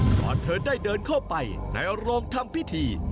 เธอได้เดินเข้าไปในโรงทำพิธี